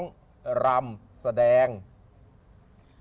เพราะเขาไม่เจอรัก